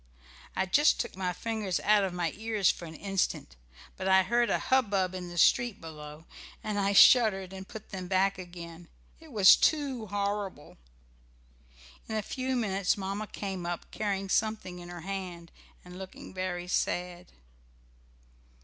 I just took my fingers out of my ears for an instant, but I heard a hubbub in the street below, and I shuddered and put them back again. It was too horrible. In a few minutes Mamma came up, carrying something in her hand, and looking very sad.